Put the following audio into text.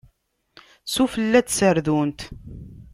Sufella n tserdunt.